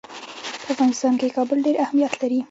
په افغانستان کې کابل ډېر اهمیت لري.